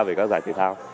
về các giải thể thao